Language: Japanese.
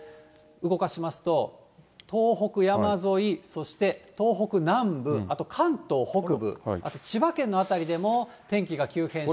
動かしますと、東北山沿い、そして東北南部、あと関東北部、あと千葉県の辺りでも天気が急変して。